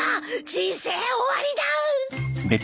人生終わりだ！